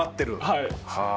はい。